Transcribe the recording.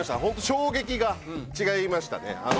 ホント衝撃が違いましたね